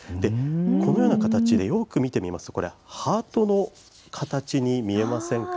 このような形で、よーく見てみますと、ハートの形に見えませんか？